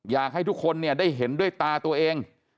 อยากให้ทุกคนเนี่ยได้เห็นด้วยตาตัวเอง